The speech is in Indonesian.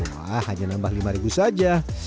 wah hanya nambah lima ribu saja